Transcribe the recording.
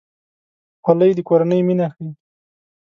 خولۍ د کورنۍ مینه ښيي.